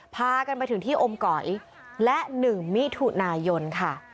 พากันไปถึงที่อมก๋อยและ๑มิถุนายนค่ะ